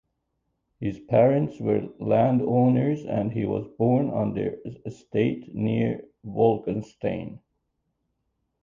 His parents were landowners and he was born on their estate near Wolkenstein.